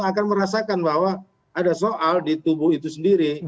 akan merasakan bahwa ada soal di tubuh itu sendiri